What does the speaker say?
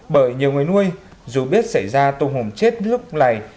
bởi nhiều người nuôi dù biết xảy ra tôm hùng chết lúc này